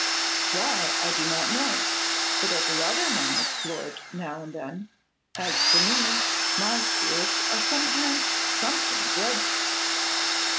'Why, I do not know; but every other man is floored now and then. As for me, my spirits are sometimes something dreadful.